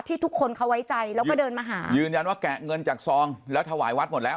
ทุกคนเขาไว้ใจแล้วก็เดินมาหายืนยันว่าแกะเงินจากซองแล้วถวายวัดหมดแล้ว